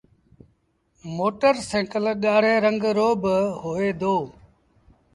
موٽر سآئيٚڪل ڳآڙي رنگ رو با هوئي دو۔